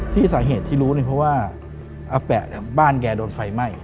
สาเหตุที่รู้เนี่ยเพราะว่าอาแปะบ้านแกโดนไฟไหม้